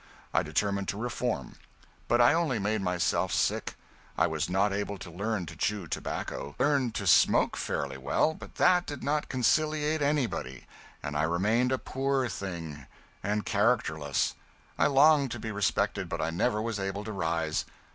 I determined to reform. But I only made myself sick; I was not able to learn to chew tobacco. I learned to smoke fairly well, but that did not conciliate anybody, and I remained a poor thing, and characterless. I longed to be respected, but I never was able to rise.